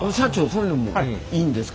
そういうのもいいんですか？